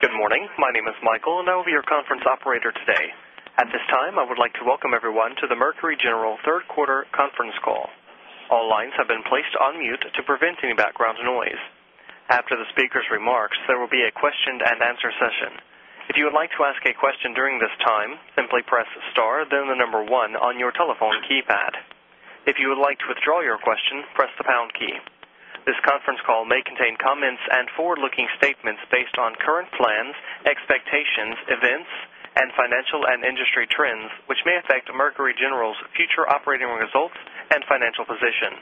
Good morning. My name is Michael, and I will be your conference operator today. At this time, I would like to welcome everyone to the Mercury General third quarter conference call. All lines have been placed on mute to prevent any background noise. After the speaker's remarks, there will be a question and answer session. If you would like to ask a question during this time, simply press star, then the number one on your telephone keypad. If you would like to withdraw your question, press the pound key. This conference call may contain comments and forward-looking statements based on current plans, expectations, events, and financial and industry trends, which may affect Mercury General's future operating results and financial position.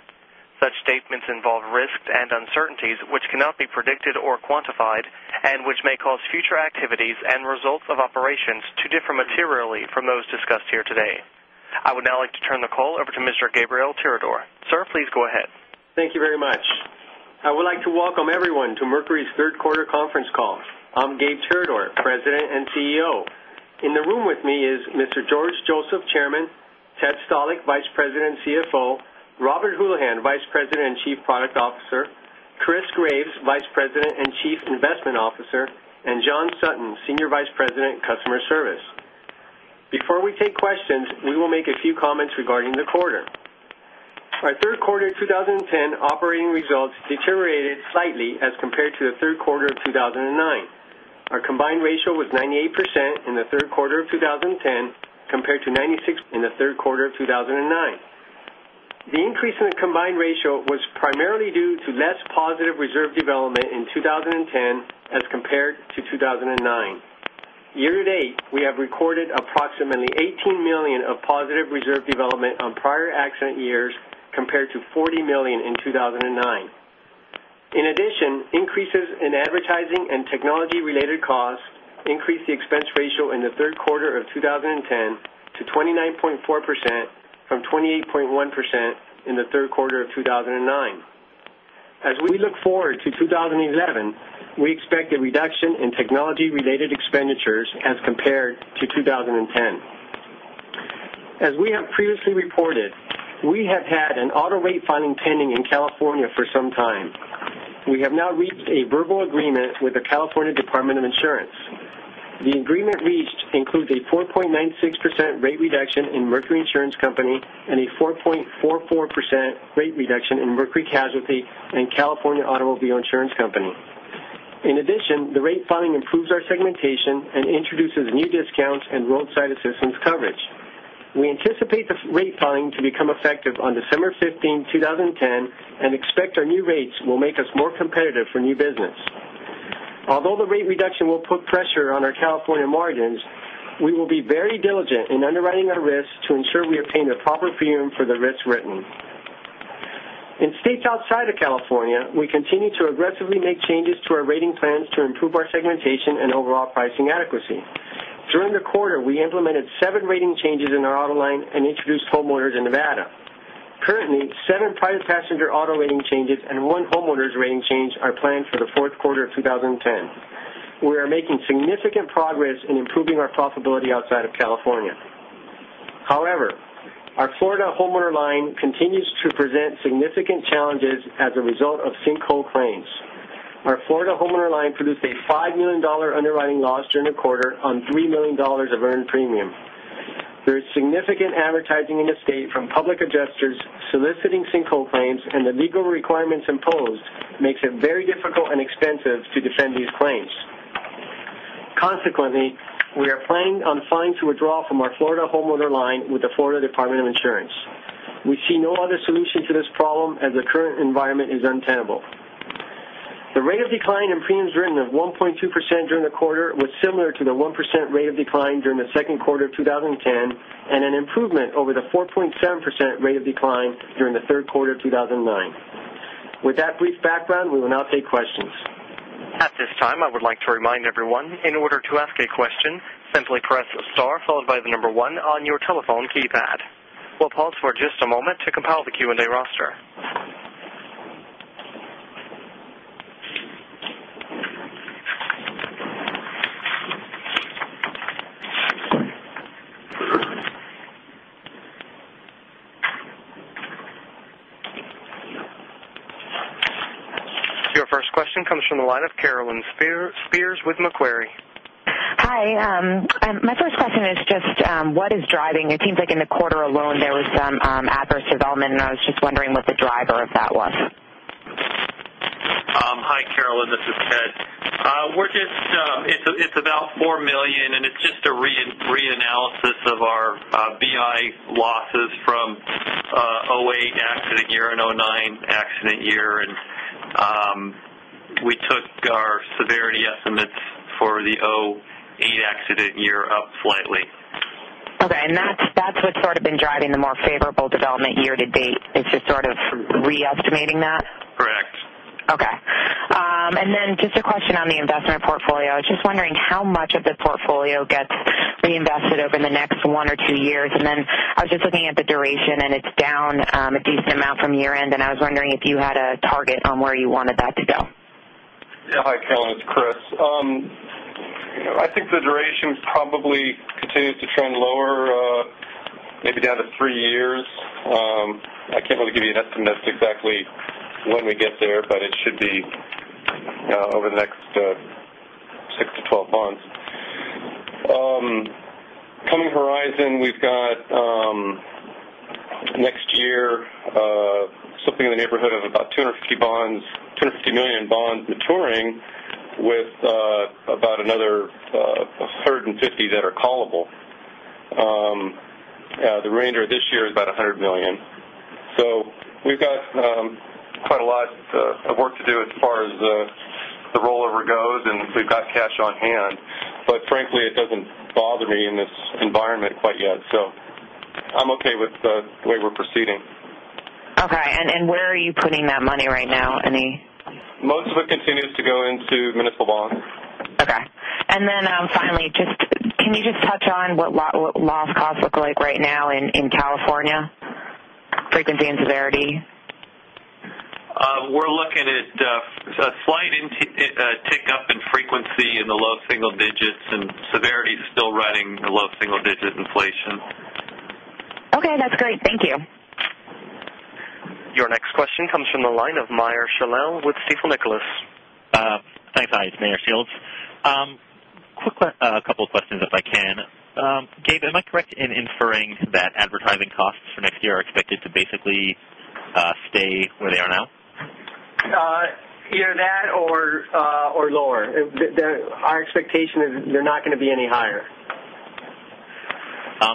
Such statements involve risks and uncertainties which cannot be predicted or quantified, and which may cause future activities and results of operations to differ materially from those discussed here today. I would now like to turn the call over to Mr. Gabriel Tirador. Sir, please go ahead. Thank you very much. I would like to welcome everyone to Mercury's third quarter conference call. I'm Gabe Tirador, President and Chief Executive Officer. In the room with me is Mr. George Joseph, Chairman, Theodore Staal, Vice President and Chief Financial Officer, Robert Houlihan, Vice President and Chief Product Officer, Chris Graves, Vice President and Chief Investment Officer, and John Sutton, Senior Vice President, Customer Service. Before we take questions, we will make a few comments regarding the quarter. Our third quarter 2010 operating results deteriorated slightly as compared to the third quarter of 2009. Our combined ratio was 98% in the third quarter of 2010, compared to 96% in the third quarter of 2009. The increase in the combined ratio was primarily due to less positive reserve development in 2010 as compared to 2009. Year-to-date, we have recorded approximately $18 million of positive reserve development on prior accident years, compared to $40 million in 2009. In addition, increases in advertising and technology related costs increased the expense ratio in the third quarter of 2010 to 29.4%, from 28.1% in the third quarter of 2009. As we look forward to 2011, we expect a reduction in technology related expenditures as compared to 2010. As we have previously reported, we have had an auto rate filing pending in California for some time. We have now reached a verbal agreement with the California Department of Insurance. The agreement reached includes a 4.96% rate reduction in Mercury Insurance Company and a 4.44% rate reduction in Mercury Casualty and California Automobile Insurance Company. In addition, the rate filing improves our segmentation and introduces new discounts and roadside assistance coverage. We anticipate the rate filing to become effective on December 15, 2010. We expect our new rates will make us more competitive for new business. Although the rate reduction will put pressure on our California margins, we will be very diligent in underwriting our risks to ensure we obtain the proper premium for the risks written. In states outside of California, we continue to aggressively make changes to our rating plans to improve our segmentation and overall pricing adequacy. During the quarter, we implemented seven rating changes in our auto line and introduced homeowners in Nevada. Currently, seven private passenger auto rating changes and one homeowners rating change are planned for the fourth quarter of 2010. We are making significant progress in improving our profitability outside of California. Our Florida homeowner line continues to present significant challenges as a result of sinkhole claims. Our Florida homeowner line produced a $5 million underwriting loss during the quarter on $3 million of earned premium. There is significant advertising in the state from public adjusters soliciting sinkhole claims. The legal requirements imposed makes it very difficult and expensive to defend these claims. We are planning on filing to withdraw from our Florida homeowner line with the Florida Department of Insurance. We see no other solution to this problem as the current environment is untenable. The rate of decline in premiums written of 1.2% during the quarter was similar to the 1% rate of decline during the second quarter of 2010. An improvement over the 4.7% rate of decline during the third quarter of 2009. With that brief background, we will now take questions. At this time, I would like to remind everyone, in order to ask a question, simply press star followed by the number one on your telephone keypad. We'll pause for just a moment to compile the Q&A roster. Your first question comes from the line of Carolyn Spears with Macquarie. Hi. It seems like in the quarter alone, there was some adverse development. I was just wondering what the driver of that was. Hi, Carolyn. This is Ted. It's about $4 million. It's just a re-analysis of our BI losses from 2008 accident year and 2009 accident year. We took our severity estimates for the 2008 accident year up slightly. Okay. That's what's sort of been driving the more favorable development year-to-date. It's just sort of re-estimating that? Correct. Okay. Just a question on the investment portfolio. I was just wondering how much of the portfolio gets reinvested over the next one or two years. I was just looking at the duration, and it's down a decent amount from year-end, and I was wondering if you had a target on where you wanted that to go. Yeah. Hi, Carolyn. It's Chris. I think the duration probably continues to trend lower maybe down to three years. I can't really give you an estimate as to exactly when we get there, but it should be over the next 6-12 months. Coming horizon, we've got next year, something in the neighborhood of about $250 million bonds maturing with about another $150 million that are callable. The remainder of this year is about $100 million. We've got quite a lot of work to do as far as the rollover goes. We've got cash on hand, but frankly, it doesn't bother me in this environment quite yet. I'm okay with the way we're proceeding. Okay. Where are you putting that money right now? Most of it continues to go into municipal bonds. Okay. Finally, can you just touch on what loss costs look like right now in California? Frequency and severity. We're looking at a slight tick up in frequency in the low single digits, and severity is still running a low single-digit inflation. Okay. That's great. Thank you. Your next question comes from the line of Meyer Shields with Stifel, Nicolaus. Thanks. Hi, it's Meyer Shields. Quick couple of questions, if I can. Gabe, am I correct in inferring that advertising costs for next year are expected to basically stay where they are now? Either that or lower. Our expectation is they're not going to be any higher.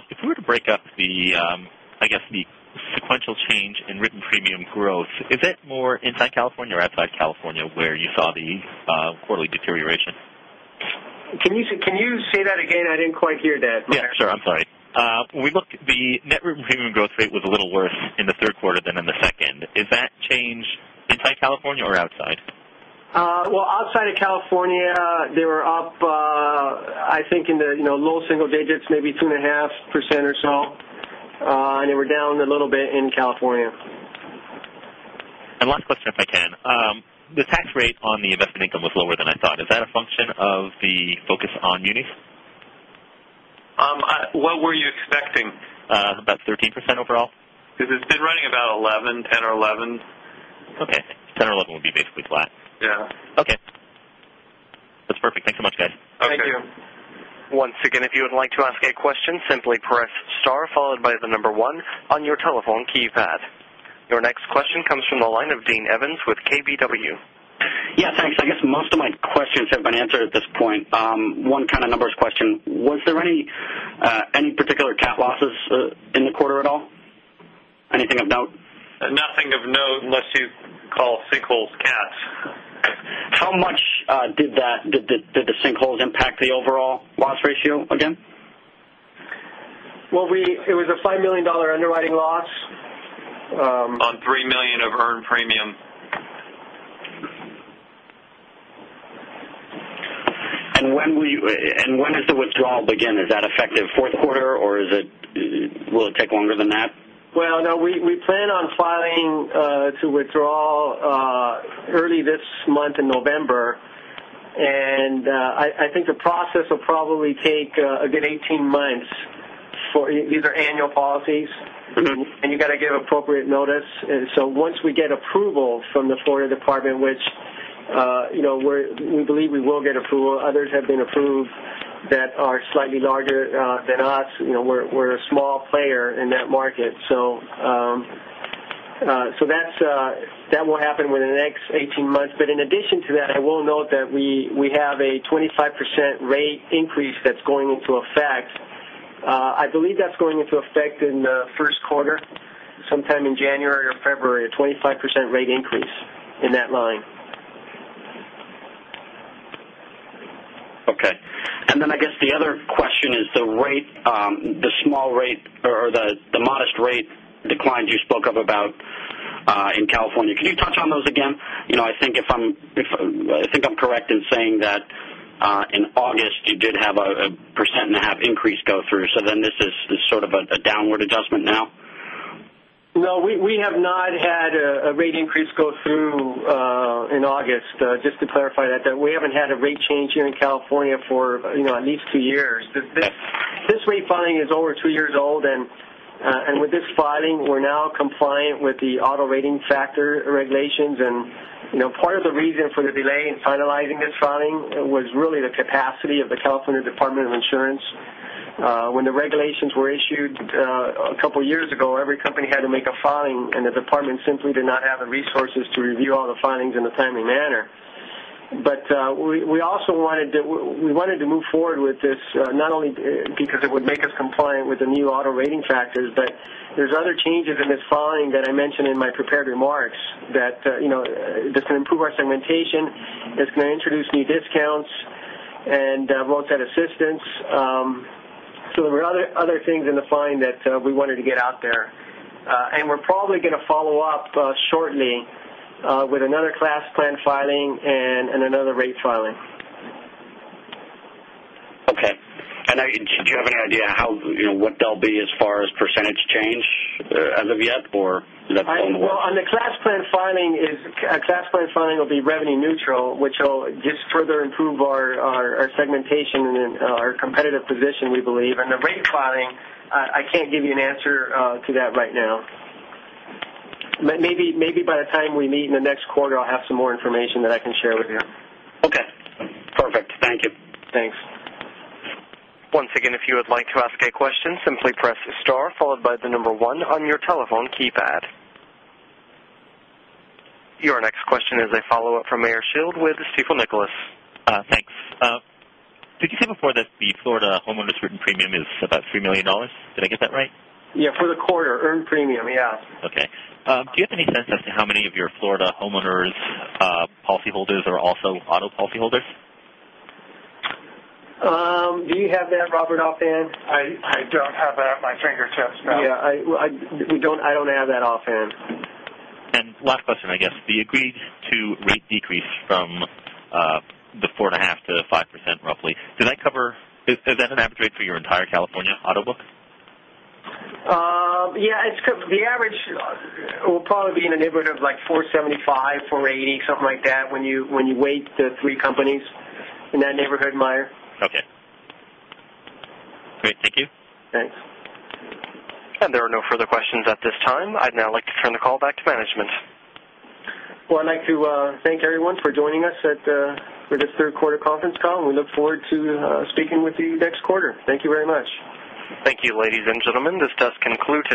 If we were to break up the sequential change in written premium growth, is that more inside California or outside California, where you saw the quarterly deterioration? Can you say that again? I didn't quite hear that, Meyer. Yeah, sure. I'm sorry. When we looked, the net written premium growth rate was a little worse in the third quarter than in the second. Is that change inside California or outside? Well, outside of California, they were up, I think in the low single digits, maybe 2.5% or so. They were down a little bit in California. Last question, if I can. The tax rate on the investment income was lower than I thought. Is that a function of the focus on munis? What were you expecting? About 13% overall. It's been running about 11, 10 or 11. Okay. 10 or 11 would be basically flat. Yeah. Okay. That's perfect. Thanks so much, guys. Okay. Thank you. Once again, if you would like to ask a question, simply press star followed by the number one on your telephone keypad. Your next question comes from the line of Dean Evans with KBW. Yeah, thanks. I guess most of my questions have been answered at this point. One kind of numbers question. Was there any particular cat losses in the quarter at all? Anything of note? Nothing of note, unless you call sinkholes cats. How much did the sinkholes impact the overall loss ratio again? Well, it was a $5 million underwriting loss. On $3 million of earned premium. When does the withdrawal begin? Is that effective fourth quarter, or will it take longer than that? Well, no, we plan on filing to withdraw early this month in November. I think the process will probably take a good 18 months. These are annual policies. You got to give appropriate notice. Once we get approval from the Florida Department, which we believe we will get approval. Others have been approved that are slightly larger than us. We're a small player in that market. That will happen within the next 18 months. In addition to that, I will note that we have a 25% rate increase that's going into effect. I believe that's going into effect in the first quarter, sometime in January or February. A 25% rate increase in that line. Okay. I guess the other question is the modest rate declines you spoke of about in California. Can you touch on those again? I think I'm correct in saying that in August you did have a 1.5% increase go through. This is sort of a downward adjustment now? No, we have not had a rate increase go through in August. Just to clarify that, we haven't had a rate change here in California for at least two years. This rate filing is over two years old. With this filing, we're now compliant with the auto rating factor regulations. Part of the reason for the delay in finalizing this filing was really the capacity of the California Department of Insurance. When the regulations were issued a couple of years ago, every company had to make a filing, and the department simply did not have the resources to review all the filings in a timely manner. We wanted to move forward with this not only because it would make us compliant with the new auto rating factors, but there's other changes in this filing that I mentioned in my prepared remarks that's going to improve our segmentation. It's going to introduce new discounts and roadside assistance. There were other things in the filing that we wanted to get out there. We're probably going to follow up shortly with another class plan filing and another rate filing. Okay. Do you have any idea what they'll be as far as percentage change as of yet, or is that still in the works? Well, on the class plan filing, a class plan filing will be revenue neutral, which will just further improve our segmentation and our competitive position, we believe. On the rate filing, I can't give you an answer to that right now. Maybe by the time we meet in the next quarter, I'll have some more information that I can share with you. Okay, perfect. Thank you. Thanks. Once again, if you would like to ask a question, simply press star followed by the number one on your telephone keypad. Your next question is a follow-up from Meyer Shields with Stifel Nicolaus. Thanks. Did you say before that the Florida homeowners written premium is about $3 million? Did I get that right? Yeah. For the quarter, earned premium, yeah. Okay. Do you have any sense as to how many of your Florida homeowners policyholders are also auto policyholders? Do you have that, Robert, offhand? I don't have that at my fingertips, no. Yeah, I don't have that offhand. Last question, I guess. The agreed-to rate decrease from the 4.5%-5%, roughly. Is that an average rate for your entire California auto book? Yeah. The average will probably be in the neighborhood of like 475, 480, something like that when you weight the three companies. In that neighborhood, Meyer. Okay. Great. Thank you. Thanks. There are no further questions at this time. I'd now like to turn the call back to management. Well, I'd like to thank everyone for joining us at this third quarter conference call. We look forward to speaking with you next quarter. Thank you very much. Thank you, ladies and gentlemen. This does conclude today's